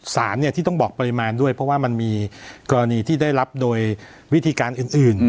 สารที่ต้องบอกปริมาณด้วยเพราะว่ามันมีกรณีที่ได้รับโดยวิธีการอื่น